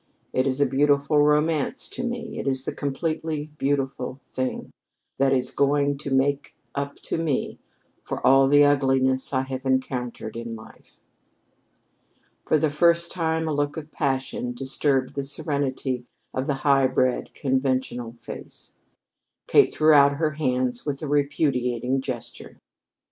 It is a beautiful romance to me. It is the completely beautiful thing that is going to make up to me for all the ugliness I have encountered in life." For the first time a look of passion disturbed the serenity of the high bred, conventional face. Kate threw out her hands with a repudiating gesture.